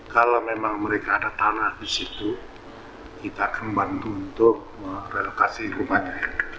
kalau memang mereka ada tanah di situ kita akan bantu untuk merelokasi rumahnya